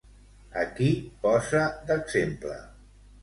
A qui posa d'exemple?